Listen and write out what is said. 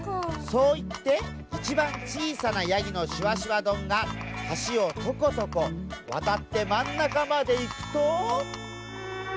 そういっていちばんちいさなヤギのしわしわどんがはしをトコトコわたってまんなかまでいくと。